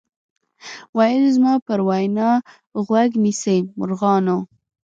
ویل زما پر وینا غوږ نیسۍ مرغانو